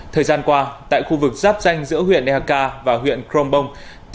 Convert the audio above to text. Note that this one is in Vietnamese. thời gian qua tại khu vực giáp danh giữa huyện ehk và huyện krombong